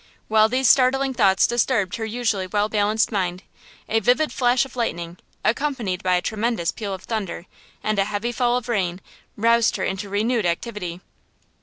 While these startling thoughts disturbed her usual well balanced mind, a vivid flash of lightning, accompanied by a tremendous peal of thunder and a heavy fall of rain, roused her into renewed activity.